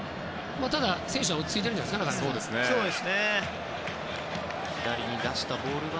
ただ、選手は落ち着いてるんじゃないですか。